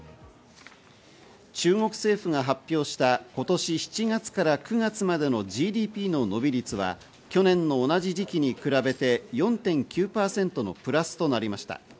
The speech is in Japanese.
中国政府が発表した今年７月から９月までのＧＤＰの伸び率は去年の同じ時期に比べて４．９％のプラスとなりました。